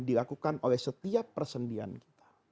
dilakukan oleh setiap persendian kita